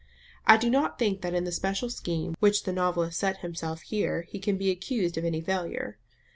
I do not think that in the special scheme which the novelist set himself here he can be accused of any failure.